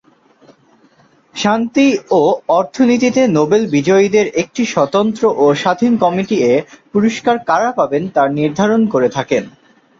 শান্তি ও অর্থনীতিতে নোবেল বিজয়ীদের একটি স্বতন্ত্র ও স্বাধীন কমিটি এ পুরস্কার কারা পাবেন তা নির্ধারণ করে থাকেন।